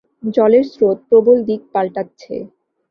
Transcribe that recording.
জলের স্রোত প্রবল আর দিক পাল্টাচ্ছে।